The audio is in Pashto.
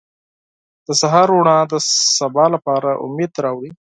• د سهار رڼا د سبا لپاره امید راوړي.